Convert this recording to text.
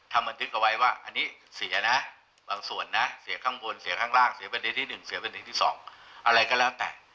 บันทึกเอาไว้ว่าอันนี้เสียนะบางส่วนนะเสียข้างบนเสียข้างล่างเสียบัณฑิตที่๑เสียบัณฑิตที่๒อะไรก็แล้วแต่